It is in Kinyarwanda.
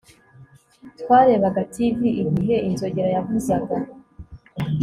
Twarebaga TV igihe inzogera yavuzaga